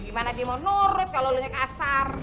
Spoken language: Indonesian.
gimana dia mau nurut kalo lo nya kasar